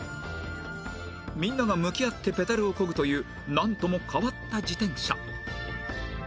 みんなが向き合ってペダルを漕ぐというなんとも変わった自転車